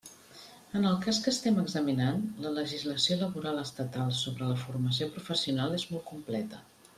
En el cas que estem examinant, la legislació laboral estatal sobre la formació professional és molt completa.